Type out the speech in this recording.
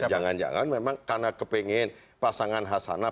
jangan jangan memang karena kepengen pasangan hasanah